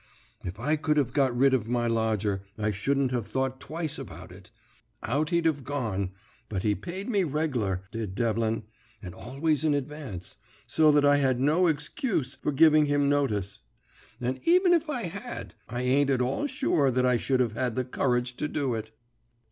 "If I could have got rid of my lodger I shouldn't have thought twice about it; out he'd have gone; but he paid me reg'lar, did Devlin, and always in advance, so that I had no egscuse for giving him notice. And even if I had, I ain't at all sure that I should have had the courage to do it.